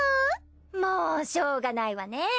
もうしようがないわね。